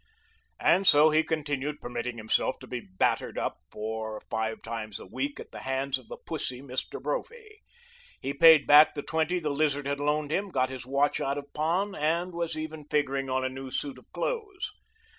And so he continued permitting himself to be battered up four or five times a week at the hands of the pussy Mr. Brophy. He paid back the twenty the Lizard had loaned him, got his watch out of pawn, and was even figuring on a new suit of clothes.